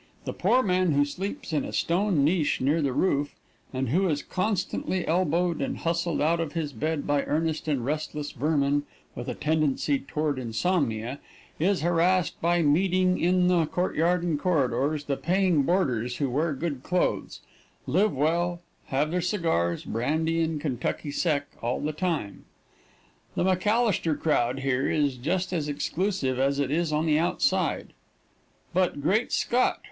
The poor man who sleeps in a stone niche near the roof, and who is constantly elbowed and hustled out of his bed by earnest and restless vermin with a tendency toward insomnia, is harassed by meeting in the court yard and corridors the paying boarders who wear good clothes, live well, have their cigars, brandy and Kentucky Sec all the time. The McAllister crowd here is just as exclusive as it is on the outside. But, great Scott!